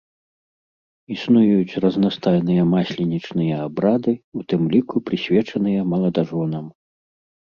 Існуюць разнастайныя масленічныя абрады, у тым ліку прысвечаныя маладажонам.